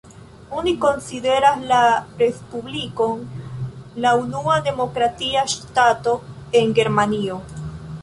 Oni konsideras la respublikon la unua demokratia ŝtato en Germanio.